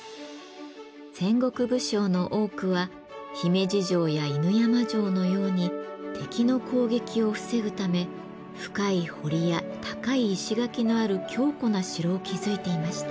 戦国武将の多くは姫路城や犬山城のように敵の攻撃を防ぐため深い堀や高い石垣のある強固な城を築いていました。